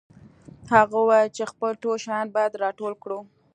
هغه وویل چې خپل ټول شیان باید راټول کړو